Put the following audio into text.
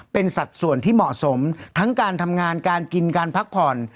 เป็นสัดส่วนที่เหมาะสมทั้งการทำงานการกินการพักผ่อน